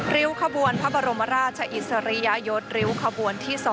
ริ้วขบวนพระบรมราชอิสริยยศริ้วขบวนที่๒